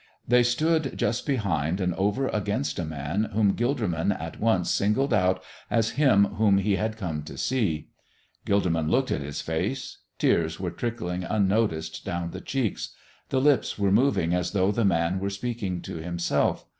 They stood just behind and over against a man whom Gilderman at once singled out as Him whom he had come to see. Gilderman looked at His face. Tears were trickling unnoticed down the cheeks; the lips were moving as though the Man were speaking to himself.